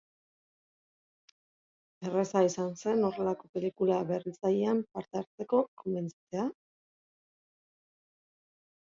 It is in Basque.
Erraza izan zen horrelako pelikula berritzailean parte hartzeko konbentzitzea?